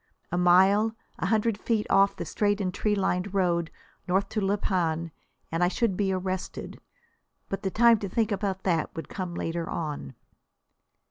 A mile, a hundred feet off the straight and tree lined road north to La Panne, and I should be arrested. But the time to think about that would come later on.